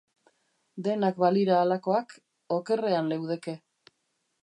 Denak balira halakoak, okerrean leudeke.